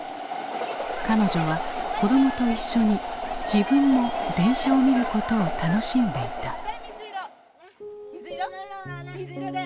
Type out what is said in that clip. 彼女は子どもと一緒に自分も電車を見ることを楽しんでいた。